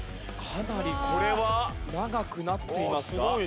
かなりこれは長くなっていますが。